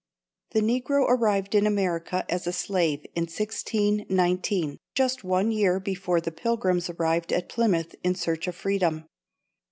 The Negro arrived in America as a slave in 1619, just one year before the Pilgrims arrived at Plymouth in search of freedom.